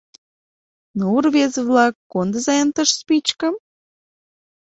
— Ну, рвезе-влак, кондыза-ян тыш спичкым?